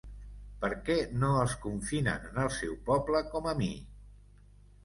Perquè no els confinen en el seu poble com a mi?